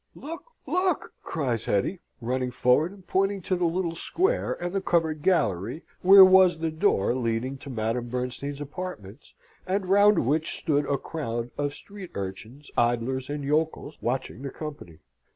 "Look, look!" cries Hetty, running forward and pointing to the little square, and the covered gallery, where was the door leading to Madame Bernstein's apartments, and round which stood a crowd of street urchins, idlers, and yokels, watching the company.